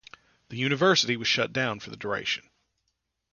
The university was shut down for the duration.